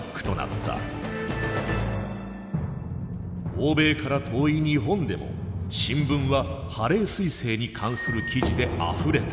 欧米から遠い日本でも新聞はハレー彗星に関する記事であふれた。